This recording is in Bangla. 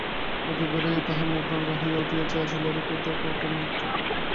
রৌদ্রে বেড়াইয়া তাহার মুখ রাঙা হইয়া উঠিয়াছে, আঁচলের খুটে কী-কতকগুলা যত্ন করিয়া বাঁধা।